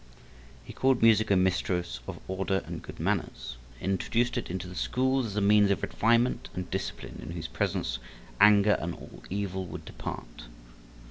He called music a mistress of order and good manners, and introduced it into the schools as a means of refinement and discipline, in whose presence anger and all evil would depart.